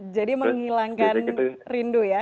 jadi menghilangkan rindu ya